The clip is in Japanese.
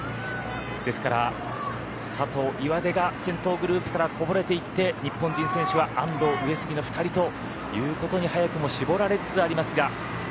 ですから佐藤、岩出が先頭グループからこぼれていって日本人選手は安藤、上杉の２人ということに早くも絞られつつありますが。